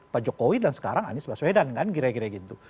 pak jokowi dan sekarang anies baswedan kan kira kira gitu